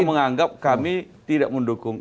menganggap kami tidak mendukung